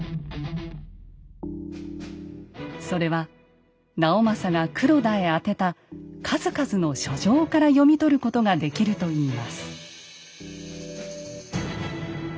それは直政が黒田へ宛てた数々の書状から読み取ることができるといいます。